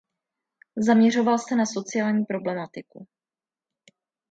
Zaměřoval se na sociální problematiku.